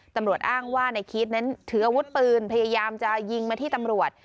ตำรวจอ้างว่านายคิดนั้นถืออาวุธปืนพยายามจะยิงมาที่ตำรวจ